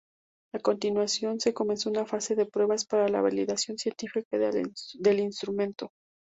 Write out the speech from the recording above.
A continuación se comenzó una fase de pruebas para la validación científica del instrumento.